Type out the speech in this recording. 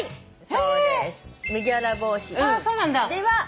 そうです。何？